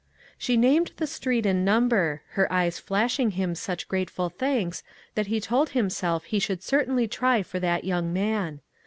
She named the street and number, her e}Tes flashing him such grateful thanks that he told himself he should certainly try for that young man.